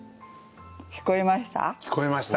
聞こえました。